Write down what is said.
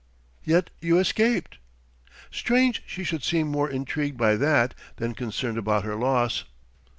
"Yet you escaped...!" Strange she should seem more intrigued by that than concerned about her loss!